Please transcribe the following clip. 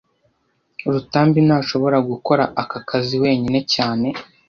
Rutambi ntashobora gukora aka kazi wenyine cyane